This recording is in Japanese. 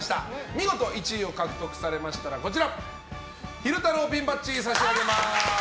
見事１位を獲得されましたら昼太郎ピンバッジを差し上げます。